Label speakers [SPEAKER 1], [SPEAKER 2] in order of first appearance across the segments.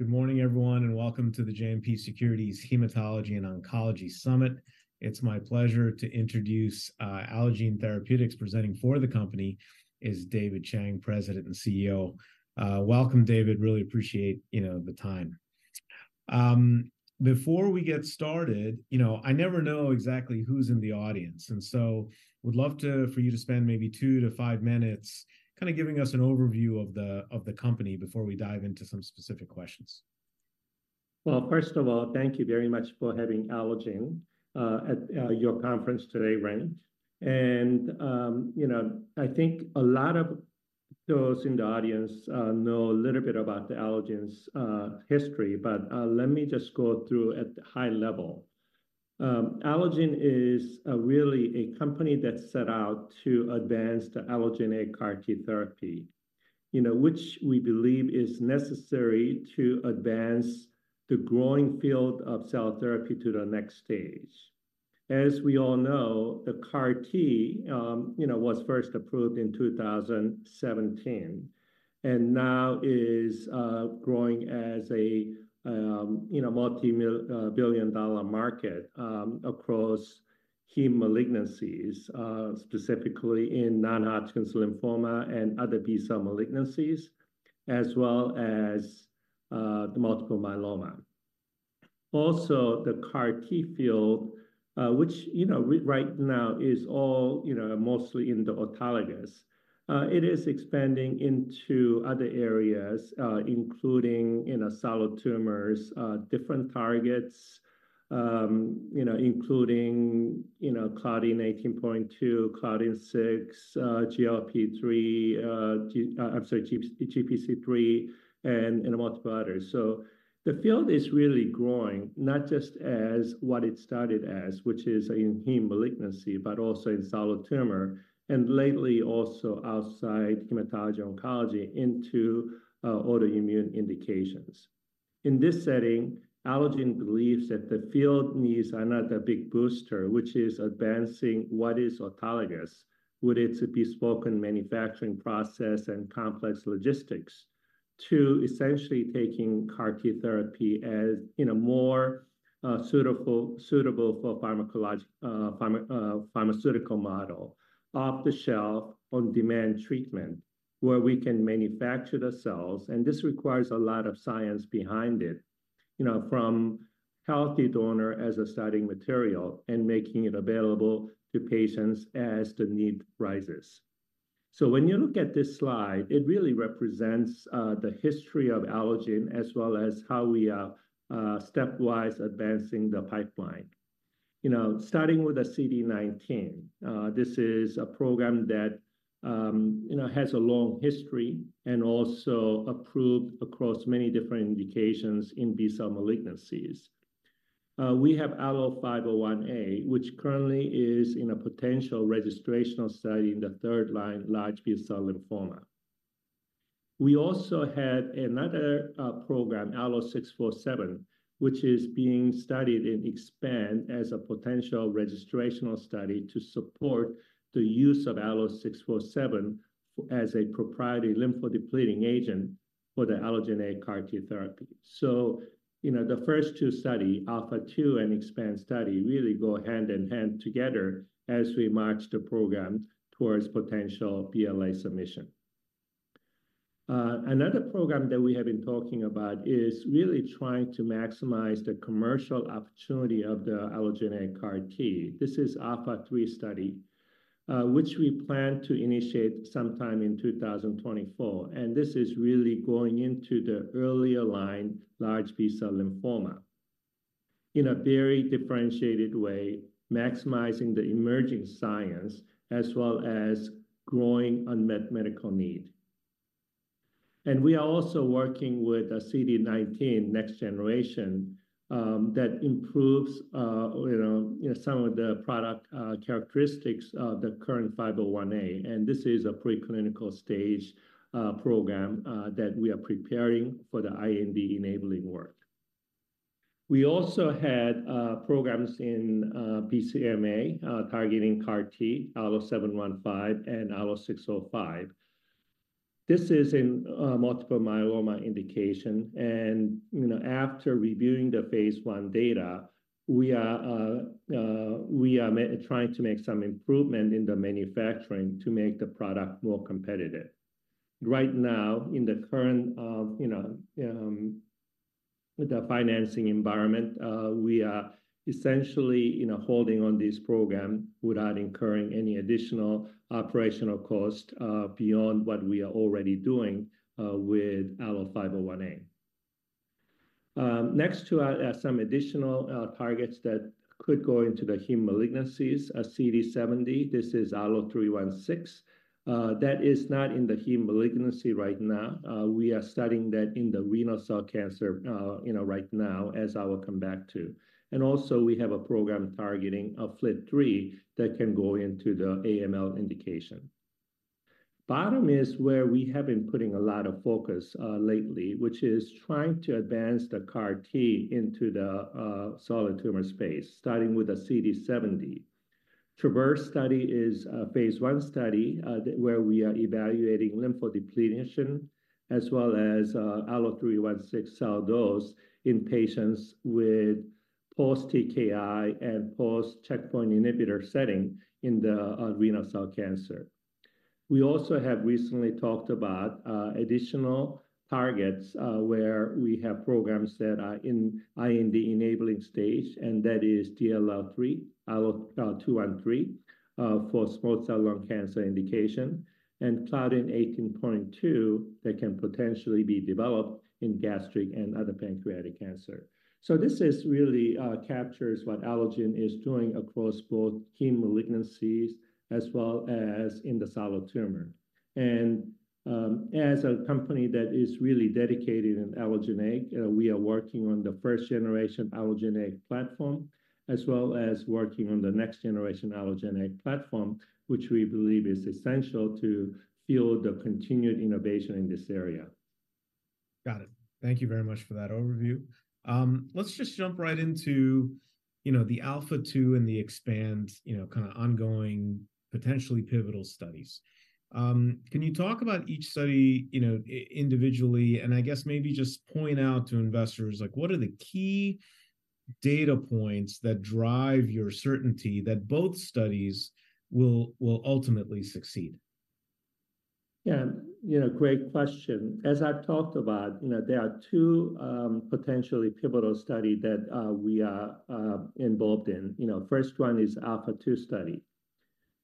[SPEAKER 1] Good morning, everyone, and welcome to the JMP Securities Hematology and Oncology Summit. It's my pleasure to introduce Allogene Therapeutics. Presenting for the company is David Chang, President and CEO. Welcome, David. Really appreciate, you know, the time. Before we get started, you know, I never know exactly who's in the audience, and so would love for you to spend maybe 2-5 minutes kind of giving us an overview of the company before we dive into some specific questions.
[SPEAKER 2] Well, first of all, thank you very much for having Allogene at your conference today, Reni. And, you know, I think a lot of those in the audience know a little bit about Allogene's history, but, let me just go through at a high level. Allogene is really a company that set out to advance the allogeneic CAR T therapy, you know, which we believe is necessary to advance the growing field of cell therapy to the next stage. As we all know, the CAR T, you know, was first approved in 2017, and now is growing as a, you know, multi-billion-dollar market, across heme malignancies, specifically in non-Hodgkin lymphoma and other B-cell malignancies, as well as, the multiple myeloma. Also, the CAR T field, which, you know, right now is all, you know, mostly in the autologous. It is expanding into other areas, including, you know, solid tumors, different targets, you know, including, you know, Claudin 18.2, Claudin 6, I'm sorry, GPC-3, and multiple others. The field is really growing, not just as what it started as, which is in heme malignancy, but also in solid tumor, and lately also outside hematology oncology into autoimmune indications. In this setting, Allogene believes that the field needs another big booster, which is advancing what is autologous, with its bespoke manufacturing process and complex logistics, to essentially taking CAR T therapy as, you know, more, suitable, suitable for pharmacologic, pharmaceutical model, off-the-shelf, on-demand treatment, where we can manufacture the cells. This requires a lot of science behind it, you know, from healthy donor as a starting material and making it available to patients as the need rises. So when you look at this slide, it really represents the history of Allogene, as well as how we are stepwise advancing the pipeline. Starting with the CD19, this is a program that, you know, has a long history and also approved across many different indications in B-cell malignancies. We have ALLO-501A, which currently is in a potential registrational study in the third-line large B-cell lymphoma. We also had another program, ALLO-647, which is being studied in EXPAND as a potential registrational study to support the use of ALLO-647 as a proprietary lymphodepleting agent for the allogeneic CAR T therapy. The first two study, ALPHA2 and EXPAND study, really go hand in hand together as we march the program towards potential BLA submission. Another program that we have been talking about is really trying to maximize the commercial opportunity of the allogeneic CAR T. This is ALPHA3 study, which we plan to initiate sometime in 2024, and this is really going into the earlier line, large B-cell lymphoma, in a very differentiated way, maximizing the emerging science as well as growing unmet medical need. We are also working with a CD19 next generation, that improves, you know, some of the product, characteristics of the current 501A, and this is a preclinical stage, program, that we are preparing for the IND enabling work. We also had programs in BCMA targeting CAR T, ALLO-715 and ALLO-605. This is in multiple myeloma indication, and, you know, after reviewing the phase I data, we are trying to make some improvement in the manufacturing to make the product more competitive. Right now, in the current, you know, the financing environment, we are essentially, you know, holding on this program without incurring any additional operational cost beyond what we are already doing with ALLO-501A. Next to some additional targets that could go into the heme malignancies, a CD70, this is ALLO-316. That is not in the heme malignancy right now. We are studying that in the renal cell cancer, you know, right now, as I will come back to. Also, we have a program targeting a FLT3 that can go into the AML indication. Bottom is where we have been putting a lot of focus lately, which is trying to advance the CAR T into the solid tumor space, starting with a CD70. TRAVERSE study is a phase I study that where we are evaluating lymphodepletion as well as ALLO-316 cell dose in patients with post-TKI and post-checkpoint inhibitor setting in the renal cell cancer. We also have recently talked about additional targets where we have programs that are in IND-enabling stage, and that is DLL3, ALLO-213 for small cell lung cancer indication, and claudin 18.2 that can potentially be developed in gastric and other pancreatic cancer. This really captures what Allogene is doing across both key malignancies as well as in the solid tumor. As a company that is really dedicated in allogeneic, we are working on the first generation allogeneic platform, as well as working on the next generation allogeneic platform, which we believe is essential to fuel the continued innovation in this area.
[SPEAKER 1] Got it. Thank you very much for that overview. Let's just jump right into, you know, the ALPHA2 and the EXPAND, you know, kinda ongoing, potentially pivotal studies. Can you talk about each study, you know, individually, and I guess maybe just point out to investors, like, what are the key data points that drive your certainty that both studies will, will ultimately succeed?
[SPEAKER 2] Yeah, you know, great question. As I've talked about, you know, there are two potentially pivotal study that we are involved in. You know, first one is ALPHA2 study.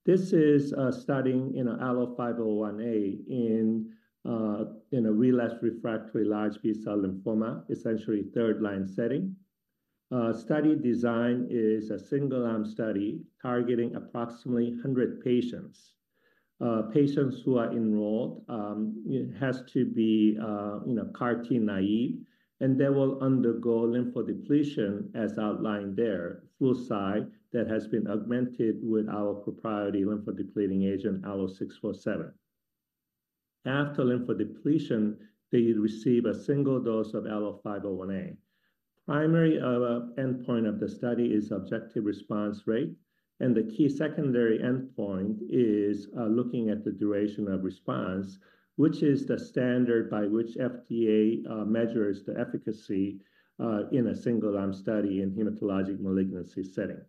[SPEAKER 2] This is a study in ALLO-501A in a relapsed/refractory large B-cell lymphoma, essentially third-line setting. Study design is a single-arm study targeting approximately 100 patients. Patients who are enrolled, it has to be, you know, CAR T naive, and they will undergo lymphodepletion as outlined there, Flu/Cy that has been augmented with our proprietary lymphodepleting agent, ALLO-647. After lymphodepletion, they receive a single dose of ALLO-501A. Primary endpoint of the study is objective response rate, and the key secondary endpoint is looking at the duration of response, which is the standard by which FDA measures the efficacy in a single-arm study in hematologic malignancy setting.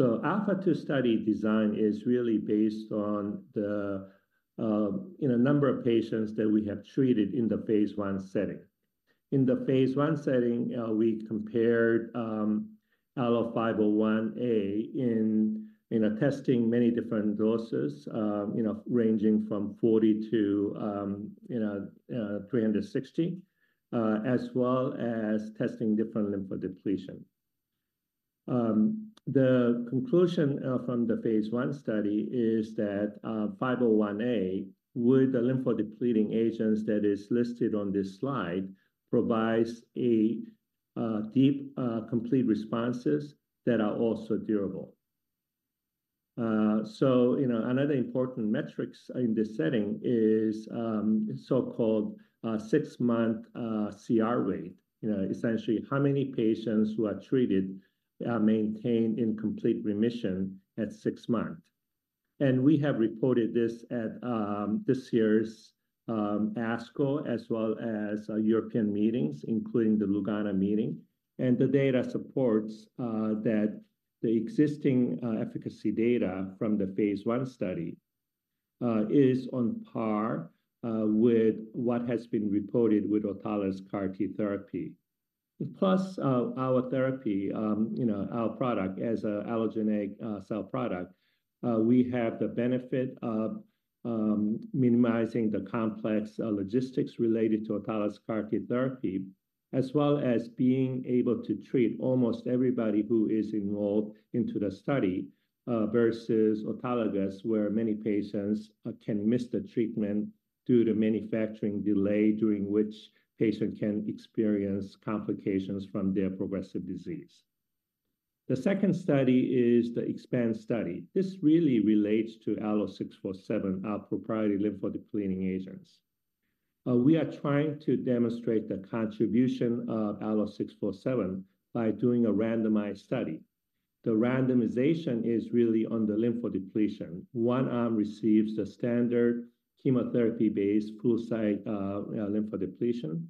[SPEAKER 2] ALPHA2 study design is really based on the, you know, number of patients that we have treated in the phase I setting. In the phase I setting, we compared ALLO-501A in testing many different doses, you know, ranging from 40 to 360, as well as testing different lymphodepletion. The conclusion from the phase I study is that ALLO-501A, with the lymphodepleting agents that is listed on this slide, provides a deep complete responses that are also durable. You know, another important metrics in this setting is so-called six-month CR rate. You know, essentially, how many patients who are treated maintained in complete remission at six months? We have reported this at this year's ASCO, as well as European meetings, including the Lugano meeting. The data supports that the existing efficacy data from the phase 1 study is on par with what has been reported with autologous CAR T therapy. Plus, our therapy, you know, our product as a allogeneic cell product, we have the benefit of minimizing the complex logistics related to autologous CAR T therapy, as well as being able to treat almost everybody who is enrolled into the study, versus autologous, where many patients can miss the treatment due to manufacturing delay, during which patient can experience complications from their progressive disease. The second study is the EXPAND study. This really relates to ALLO-647, our proprietary lymphodepleting agents. We are trying to demonstrate the contribution of ALLO-647 by doing a randomized study. The randomization is really on the lymphodepletion. One arm receives the standard chemotherapy-based fludarabine-cyclophosphamide lymphodepletion,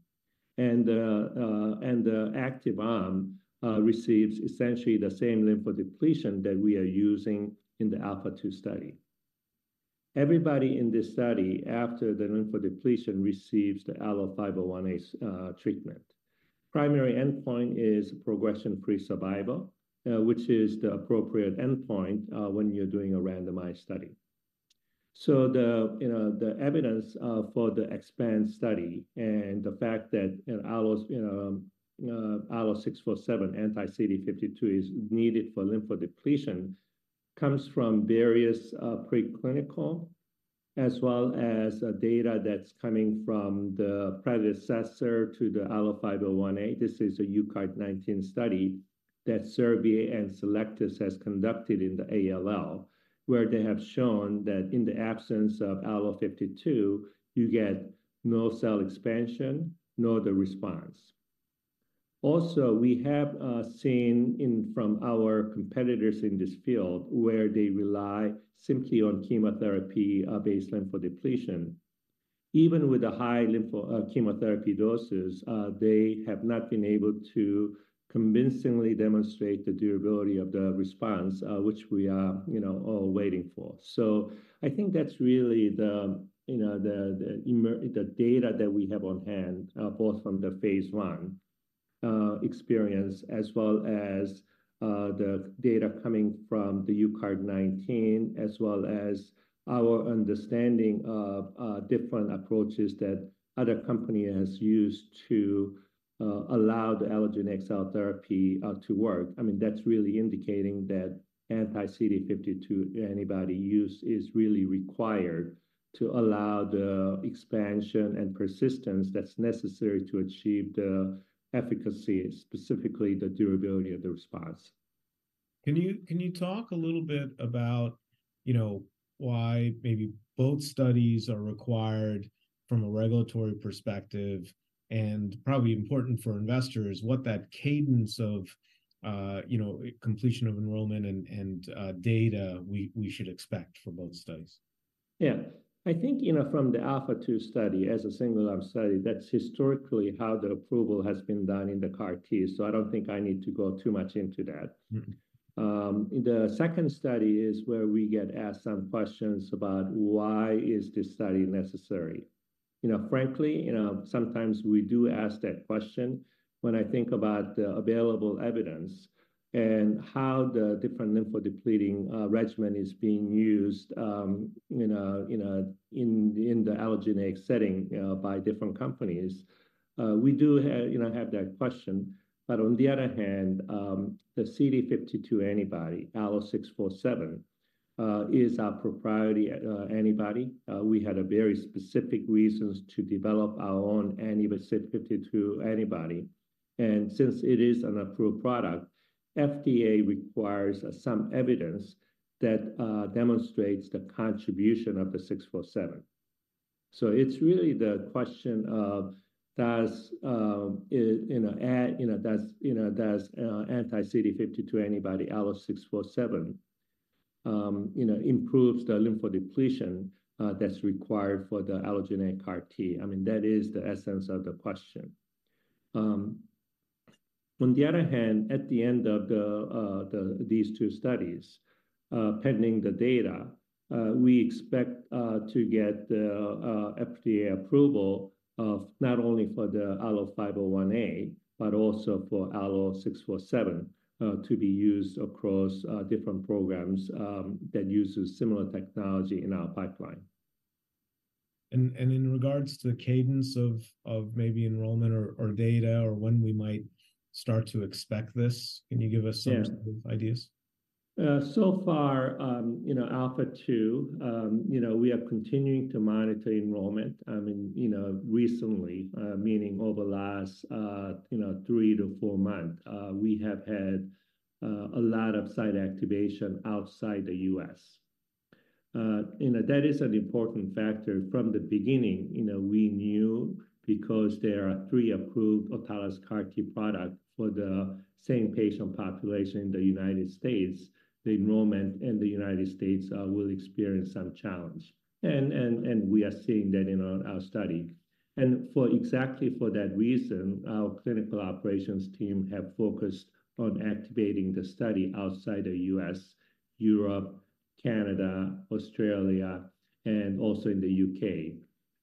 [SPEAKER 2] and the active arm receives essentially the same lymphodepletion that we are using in the ALPHA2 study. Everybody in this study, after the lymphodepletion, receives the ALLO-501A treatment. Primary endpoint is progression-free survival, which is the appropriate endpoint when you're doing a randomized study. The, you know, the evidence for the EXPAND study and the fact that, you know, ALLO-647 anti-CD52 is needed for lymphodepletion comes from various preclinical, as well as data that's coming from the prior assessment of the ALLO-501A. This is a UCART19 study that Servier and Cellectis has conducted in the ALL, where they have shown that in the absence of ALLO-647, you get no cell expansion, nor the response. Also, we have seen in, from our competitors in this field, where they rely simply on chemotherapy based lymphodepletion. Even with the high lympho chemotherapy doses, they have not been able to convincingly demonstrate the durability of the response, which we are, you know, all waiting for. So I think that's really the, you know, the, the data that we have on hand, both from the phase 1 experience, as well as the data coming from the UCART19, as well as our understanding of different approaches that other company has used to allow the allogeneic cell therapy to work. I mean, that's really indicating that anti-CD52 antibody use is really required to allow the expansion and persistence that's necessary to achieve the efficacy, specifically the durability of the response.
[SPEAKER 1] Can you talk a little bit about, you know, why maybe both studies are required from a regulatory perspective? Probably important for investors, what that cadence of, you know, completion of enrollment and data we should expect for both studies?
[SPEAKER 2] Yeah. I think, you know, from the ALPHA2 study, as a single-arm study, that's historically how the approval has been done in the CAR T, so I don't think I need to go too much into that.
[SPEAKER 1] Mm-hmm.
[SPEAKER 2] The second study is where we get asked some questions about why is this study necessary. You know, frankly, you know, sometimes we do ask that question when I think about the available evidence and how the different lymphodepleting regimen is being used, you know, you know, in the allogeneic setting, by different companies. We do have, you know, that question, but on the other hand, the CD52 antibody, ALLO-647, is our proprietary antibody. We had a very specific reasons to develop our own anti-CD52 antibody, and since it is an approved product, FDA requires some evidence that demonstrates the contribution of the 647. It's really the question of does, you know, anti-CD52 antibody ALLO-647, you know, improves the lymphodepletion that's required for the allogeneic CAR T? I mean, that is the essence of the question. On the other hand, at the end of these two studies, pending the data, we expect to get the FDA approval of not only for the ALLO-501A, but also for ALLO-647 to be used across different programs that uses similar technology in our pipeline.
[SPEAKER 1] In regards to the cadence of maybe enrollment or data or when we might start to expect this, can you give us some-
[SPEAKER 2] Yeah...
[SPEAKER 1] ideas?
[SPEAKER 2] So far, you know, ALPHA2, you know, we are continuing to monitor enrollment. I mean, you know, recently, meaning over the last, you know, 3-4 months, we have had a lot of site activation outside the U.S. You know, that is an important factor. From the beginning, you know, we knew because there are 3 approved autologous CAR T products for the same patient population in the United States, the enrollment in the United States will experience some challenge. And we are seeing that in our study. And for exactly that reason, our clinical operations team has focused on activating the study outside the U.S., Europe, Canada, Australia, and also in the U.K.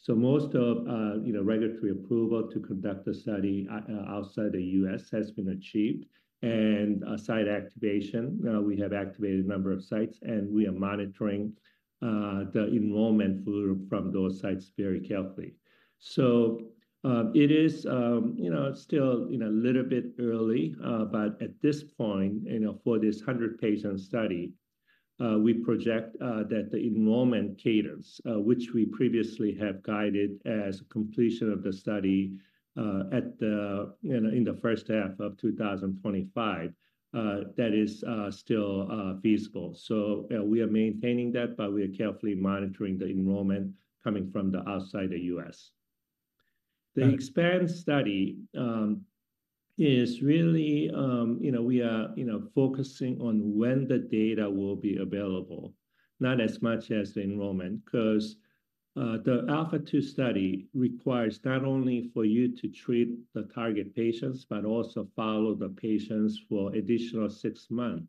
[SPEAKER 2] So most of, you know, regulatory approval to conduct the study outside the U.S. has been achieved. Site activation, we have activated a number of sites, and we are monitoring the enrollment from those sites very carefully. So, it is, you know, still, you know, a little bit early, but at this point, you know, for this 100-patient study, we project that the enrollment cadence, which we previously have guided as completion of the study at the, you know, in the first half of 2025, that is still feasible. So, we are maintaining that, but we are carefully monitoring the enrollment coming from outside the U.S.
[SPEAKER 1] Right.
[SPEAKER 2] The EXPAND study is really, you know, we are, you know, focusing on when the data will be available, not as much as the enrollment. Because, the ALPHA2 study requires not only for you to treat the target patients, but also follow the patients for additional six month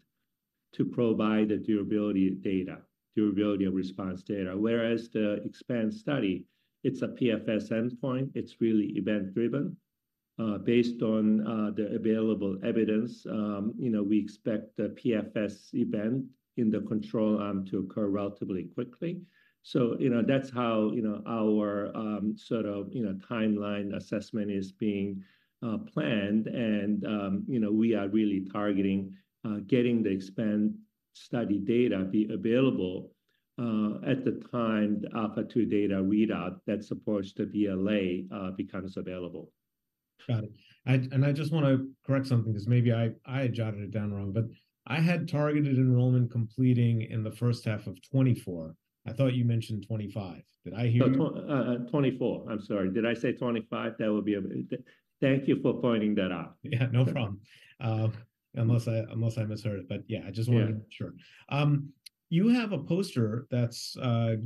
[SPEAKER 2] to provide the durability data, durability of response data. Whereas the EXPAND study, it's a PFS endpoint, it's really event-driven. Based on, the available evidence, you know, we expect the PFS event in the control arm to occur relatively quickly. So, you know, that's how, you know, our, sort of, you know, timeline assessment is being, planned. And, you know, we are really targeting, getting the EXPAND study data be available, at the time the ALPHA2 data readout that supports the BLA, becomes available.
[SPEAKER 1] Got it. And I just wanna correct something, because maybe I jotted it down wrong, but I had targeted enrollment completing in the first half of 2024. I thought you mentioned 2025. Did I hear you?
[SPEAKER 2] 2024. I'm sorry, did I say 2025? Thank you for pointing that out.
[SPEAKER 1] Yeah, no problem. Unless I misheard, but yeah, I just wanted to be sure. You have a poster that's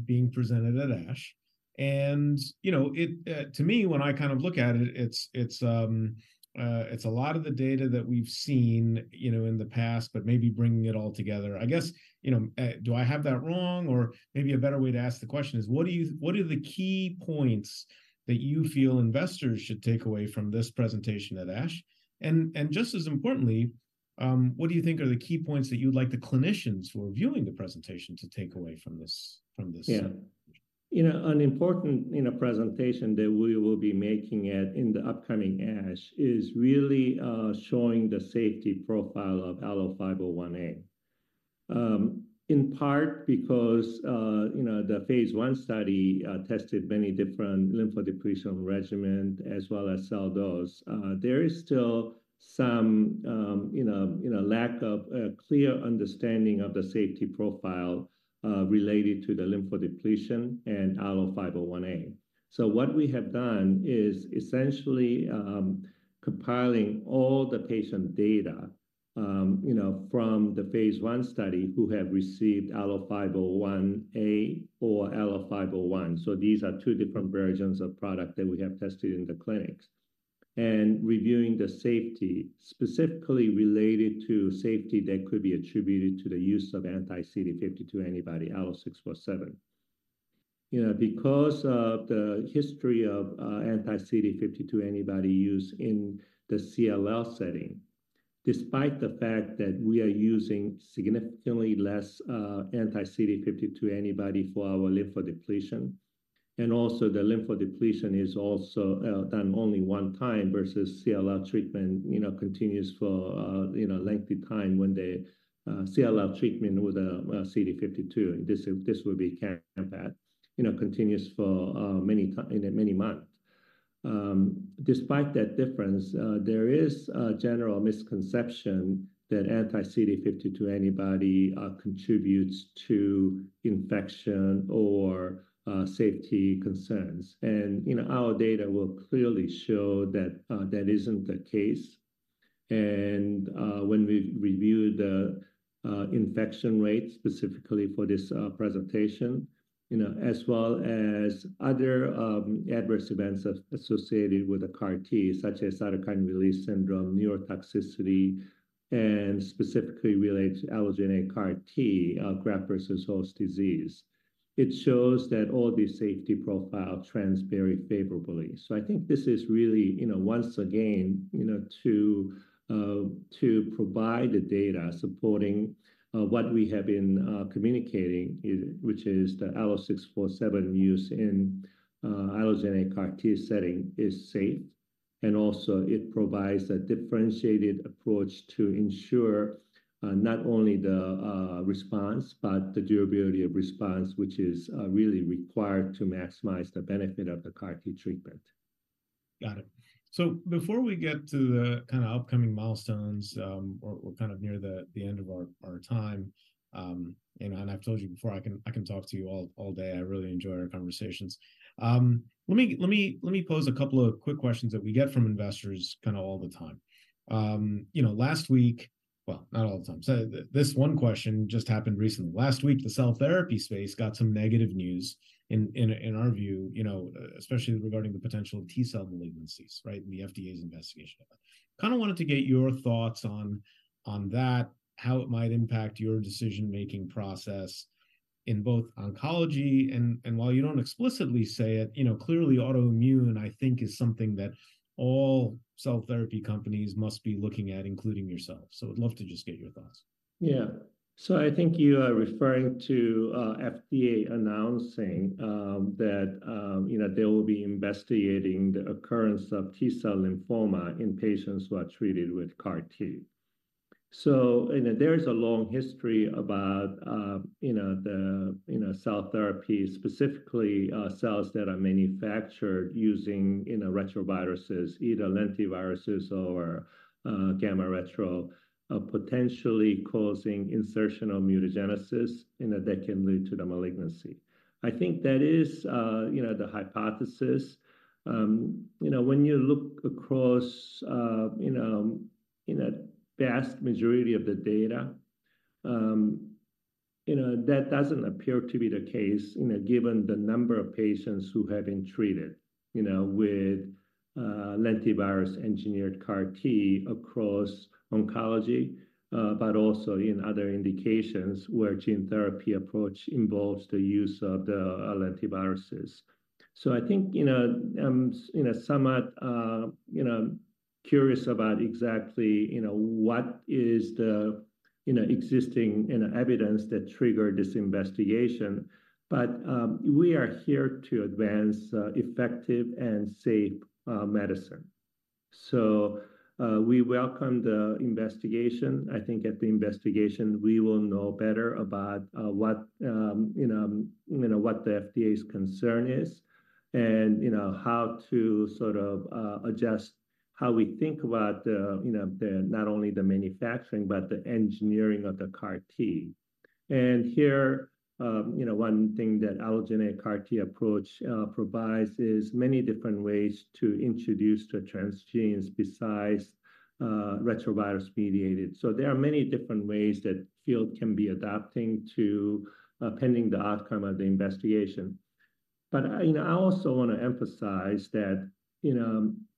[SPEAKER 1] being presented at ASH, and, you know, it, to me, when I kind of look at it, it's a lot of the data that we've seen, you know, in the past, but maybe bringing it all together. I guess, you know, do I have that wrong? Or maybe a better way to ask the question is, what do you- what are the key points that you feel investors should take away from this presentation at ASH? And just as importantly, what do you think are the key points that you'd like the clinicians who are viewing the presentation to take away from this, from this?
[SPEAKER 2] Yeah. An important presentation that we will be making at, in the upcoming ASH is really showing the safety profile of ALLO-501A. In part because, you know, the phase 1 study tested many different lymphodepletion regimen as well as cell dose. There is still some, you know, you know, lack of a clear understanding of the safety profile, related to the lymphodepletion and ALLO-501A. What we have done is essentially compiling all the patient data, you know, from the phase 1 study who have received ALLO-501A or ALLO-501, so these are two different versions of product that we have tested in the clinics, and reviewing the safety, specifically related to safety that could be attributed to the use of anti-CD52 antibody, ALLO-647. You know, because of the history of anti-CD52 antibody use in the CLL setting, despite the fact that we are using significantly less anti-CD52 antibody for our lymphodepletion, and also the lymphodepletion is also done only one time versus CLL treatment continues for you know, lengthy time when the CLL treatment with CD52. This would be compared continues for many in many months. Despite that difference, there is a general misconception that anti-CD52 antibody contributes to infection or safety concerns. Our data will clearly show that isn't the case. When we reviewed the infection rate specifically for this presentation, you know, as well as other adverse events associated with the CAR-T, such as cytokine release syndrome, neurotoxicity, and specifically related allogeneic CAR-T, graft-versus-host disease, it shows that all these safety profile trends very favorably. I think this is really, you know, once again, you know, to provide the data supporting what we have been communicating, which is the ALLO-647 use in allogeneic CAR-T setting is safe, and also it provides a differentiated approach to ensure not only the response, but the durability of response, which is really required to maximize the benefit of the CAR-T treatment.
[SPEAKER 1] Got it. Before we get to the kind of upcoming milestones, we're kind of near the end of our time. You know, and I've told you before, I can talk to you all day. I really enjoy our conversations. Let me pose a couple of quick questions that we get from investors kind of all the time. Last week... Well, not all the time. This one question just happened recently. Last week, the cell therapy space got some negative news in our view, you know, especially regarding the potential T-cell malignancies, right? The FDA's investigation of it. Kind of wanted to get your thoughts on that, how it might impact your decision-making process in both oncology, and while you don't explicitly say it, you know, clearly autoimmune, I think, is something that all cell therapy companies must be looking at, including yourselves. I'd love to just get your thoughts.
[SPEAKER 2] Yeah. I think you are referring to FDA announcing that they will be investigating the occurrence of T-cell lymphoma in patients who are treated with CAR-T. There is a long history about the cell therapy, specifically, cells that are manufactured using retroviruses, either lentiviruses or gamma retro, potentially causing insertional mutagenesis that can lead to the malignancy. The hypothesis when you look across vast majority of the data that doesn't appear to be the case, given the number of patients who have been treated with lentivirus-engineered CAR-T across oncology, but also in other indications where gene therapy approach involves the use of the lentiviruses. Somewhat, curious about exactly what is the existing evidence that triggered this investigation., but, we are here to advance, effective and safe, medicine, so we welcome the investigation. I think at the investigation, we will know better about what the FDA's concern is and, how to sort of, how we think about not only the manufacturing, but the engineering of the CAR T. Here, you know, one thing that allogeneic CAR T approach, provides is many different ways to introduce the transgenes besides, retrovirus-mediated. So there are many different ways that field can be adapting to, pending the outcome of the investigation. I also wanna emphasize that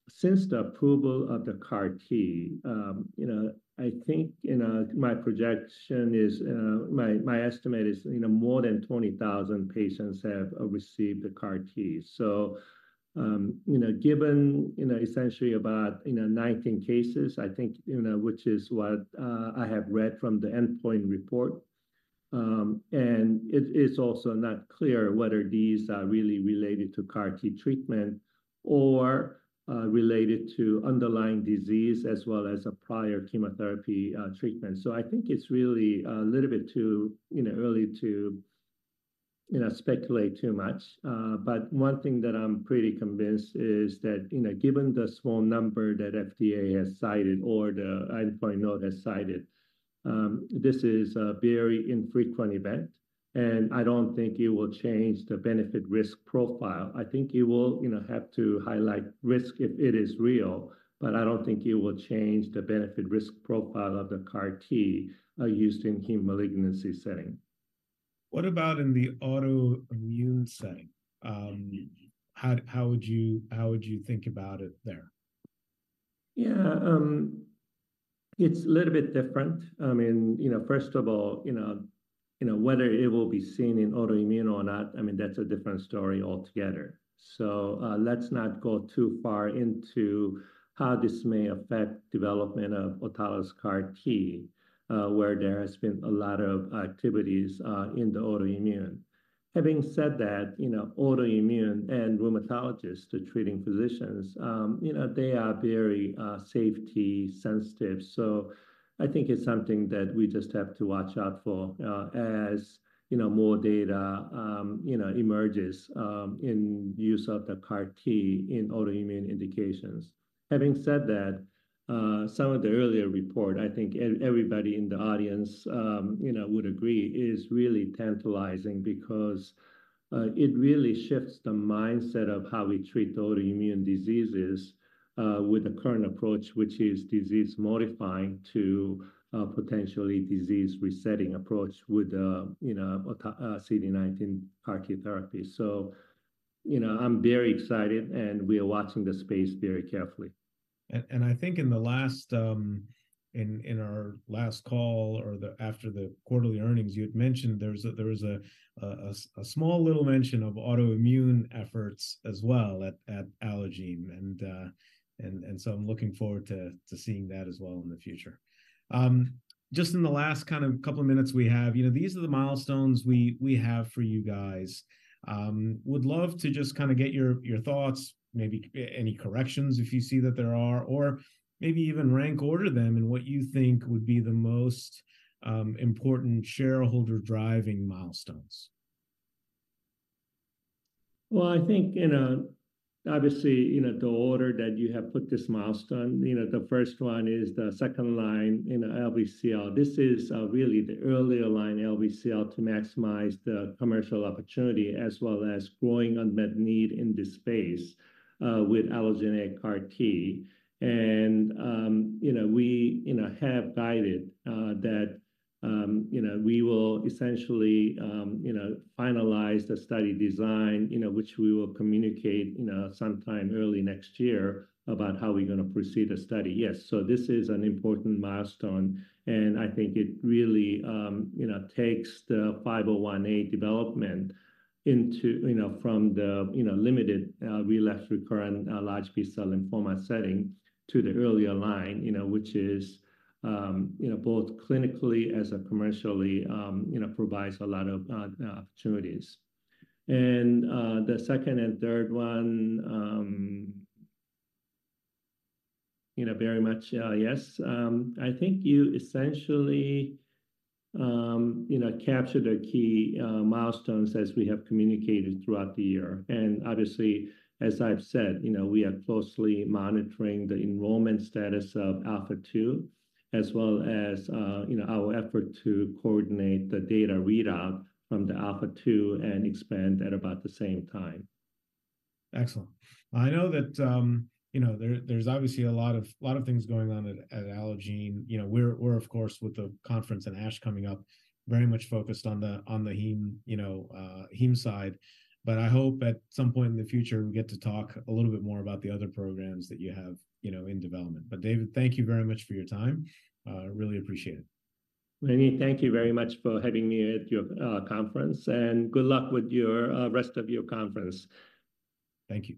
[SPEAKER 2] since the approval of the CAR T, my projection is, more than 20,000 patients have received the CAR T. Given essentially about, 19 cases, which is what I have read from the Endpoints report, and it is also not clear whether these are really related to CAR T treatment or related to underlying disease, as well as a prior chemotherapy treatment. I think it's really a little bit too, you know, early to, you know, speculate too much. One thing that I'm pretty convinced is that, you know, given the small number that FDA has cited or the Endpoints note has cited, this is a very infrequent event, and I don't think it will change the benefit-risk profile. I think it will, you know, have to highlight risk if it is real, but I don't think it will change the benefit-risk profile of the CAR T used in heme malignancy setting.
[SPEAKER 1] What about in the autoimmune setting? How would you think about it there?
[SPEAKER 2] Yeah, it's a little bit different. I mean, you know, first of all, you know, you know, whether it will be seen in autoimmune or not, I mean, that's a different story altogether. So, let's not go too far into how this may affect development of autologous CAR T, where there has been a lot of activities, in the autoimmune. Having said that, you know, autoimmune and rheumatologists, the treating physicians, you know, they are very, safety-sensitive. So I think it's something that we just have to watch out for, as, you know, more data, you know, emerges, in use of the CAR T in autoimmune indications. Having said that, some of the earlier report, I think everybody in the audience, you know, would agree, is really tantalizing because it really shifts the mindset of how we treat autoimmune diseases with the current approach, which is disease-modifying, to a potentially disease-resetting approach with, you know, a, a CD19 CAR-T therapy. So, you know, I'm very excited, and we are watching the space very carefully.
[SPEAKER 1] I think in the last, in our last call or after the quarterly earnings, you had mentioned there was a small little mention of autoimmune efforts as well at Allogene. And so I'm looking forward to seeing that as well in the future. Just in the last kind of couple of minutes we have, you know, these are the milestones we have for you guys. Would love to just kind of get your thoughts, maybe any corrections if you see that there are, or maybe even rank order them and what you think would be the most important shareholder-driving milestones.
[SPEAKER 2] Well, I think, you know, obviously, you know, the order that you have put this milestone, you know, the first one is the second line in the LBCL. This is really the earlier line, LBCL, to maximize the commercial opportunity, as well as growing unmet need in this space with allogeneic CAR T. We you know, have guided that you know, we will essentially you know, finalize the study design, you know, which we will communicate you know, sometime early next year about how we're gonna proceed the study. Yes, so this is an important milestone, and I think it really, you know, takes the 501 development into, you know, from the, you know, limited, relapsed recurrent, large B-cell lymphoma setting to the earlier line, you know, which is, you know, both clinically as a commercially, you know, provides a lot of, opportunities. And, the second and third one, you know, very much, yes. I think you essentially, you know, captured the key, milestones as we have communicated throughout the year. And obviously, as I've said, you know, we are closely monitoring the enrollment status of ALPHA2, as well as, you know, our effort to coordinate the data readout from the ALPHA2 and EXPAND at about the same time.
[SPEAKER 1] Excellent. I know that, you know, there, there's obviously a lot of things going on at Allogene. You know, we're of course, with the conference and ASH coming up, very much focused on the heme, you know, heme side. But I hope at some point in the future, we get to talk a little bit more about the other programs that you have, you know, in development. But David, thank you very much for your time. Really appreciate it.
[SPEAKER 2] Randy, thank you very much for having me at your conference, and good luck with your rest of your conference.
[SPEAKER 1] Thank you.